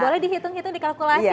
boleh dihitung hitung dikalkulasi